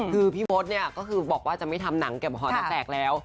คือพี่มดเนี่ยก็คือบอกว่าจะไม่ทำหนังเก็บหอตาแตกแล้ว